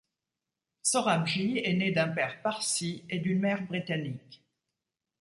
Sorabji est né d'un père parsi et d'une mère britannique.